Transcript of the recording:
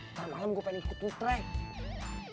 nanti malem gue pengen ikut lu track